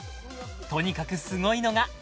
とにかくすごいのがその実力